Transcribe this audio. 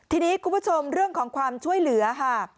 ทีนี้คุณผู้ชมเรื่องของความช่วยเหลือค่ะ